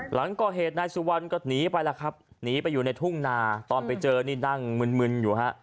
หลังก่อเหตุนายสุวรรณก็หนีไปแล้วครับหนีไปอยู่ในทุ่งนาตอนไปเจอนี่นั่งมึนมึนอยู่ฮะ